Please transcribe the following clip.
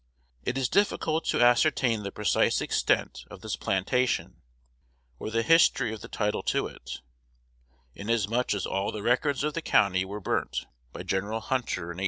It is difficult to ascertain the precise extent of this plantation, or the history of the title to it, inasmuch as all the records of the county were burnt by Gen. Hunter in 1864.